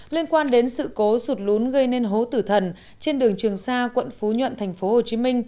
liên quan đến sự cố sụt lún gây nên hố tử thần trên đường trường sa quận phú nhuận tp hcm